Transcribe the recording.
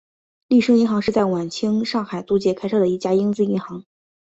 利升银行是晚清在上海租界开设的一家英资银行。